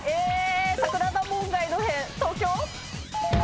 桜田門外の変東京？